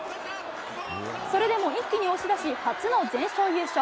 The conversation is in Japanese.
それでも一気に押し出し初の全勝優勝。